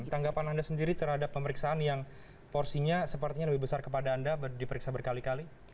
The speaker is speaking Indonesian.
tanggapan anda sendiri terhadap pemeriksaan yang porsinya sepertinya lebih besar kepada anda diperiksa berkali kali